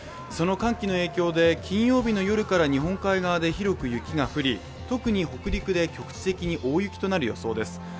その寒気の影響で、金曜日の夜から日本海側で広く雪が降り、特に北陸で局地的に大雪となる予想です。